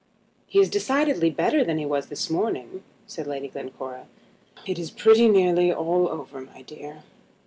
"He is decidedly better than he was this morning," said Lady Glencora. "It is pretty nearly all over, my dear.